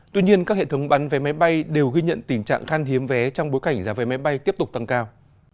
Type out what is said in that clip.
tuy nhiên các hệ thống bán vé máy bay đều ghi nhận tình trạng khan hiếm vé trong bối cảnh giá vé máy bay tiếp tục tăng cao